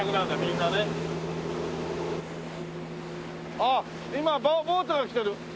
あっ今ボートが来てる。